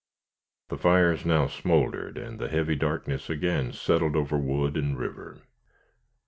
The fires now smoldered, and the heavy darkness again settled over wood and river.